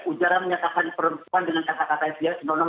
ujaran menyatakan perempuan dengan kata kata yang senonoh